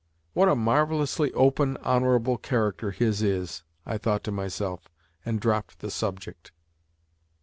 "What a marvellously open, honourable character his is!" I thought to myself, and dropped the subject.